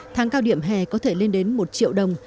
tháng cao điểm hè có thể lên đến một triệu đồng